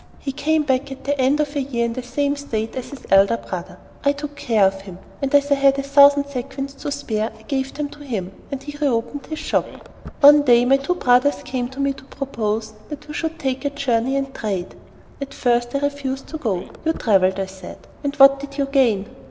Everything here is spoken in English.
He came back at the end of a year in the same state as his elder brother. I took care of him, and as I had a thousand sequins to spare I gave them to him, and he re opened his shop. One day, my two brothers came to me to propose that we should make a journey and trade. At first I refused to go. "You travelled," I said, "and what did you gain?"